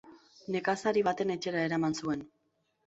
Nekazari baten etxera eraman zuen.